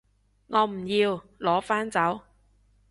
我唔要，攞返走